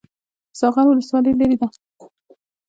ساغر ولسوالۍ لیرې ده؟